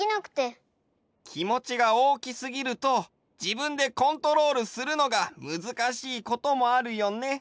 きもちがおおきすぎるとじぶんでコントロールするのがむずかしいこともあるよね。